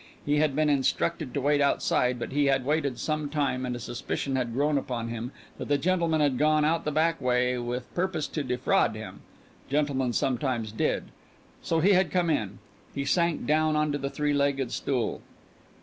He had been instructed to wait outside, but he had waited some time, and a suspicion had grown upon him that the gentleman had gone out the back way with purpose to defraud him gentlemen sometimes did so he had come in. He sank down onto the three legged stool.